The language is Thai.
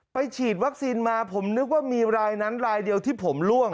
ฉีดวัคซีนมาผมนึกว่ามีรายนั้นรายเดียวที่ผมล่วง